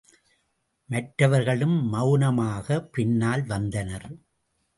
மற்றவர்களும் மௌனமாகப் பின்னால் வந்தனர்.